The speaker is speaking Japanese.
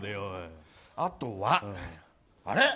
あとは、あれ？